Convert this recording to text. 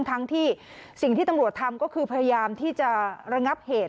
ทั้งที่สิ่งที่ตำรวจทำก็คือพยายามที่จะระงับเหตุ